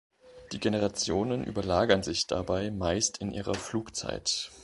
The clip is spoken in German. Die Generationen überlagern sich dabei meist in ihrer Flugzeit.